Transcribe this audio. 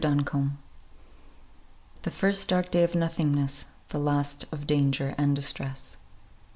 DUNCOMBE. "The first dark day of nothingness, The last of danger and distress."